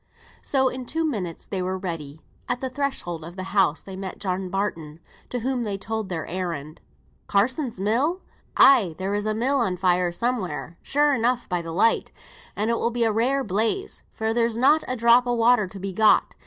So in two minutes they were ready. At the threshold of the house they met John Barton, to whom they told their errand. "Carsons' mill! Ay, there is a mill on fire somewhere, sure enough, by the light, and it will be a rare blaze, for there's not a drop o' water to be got.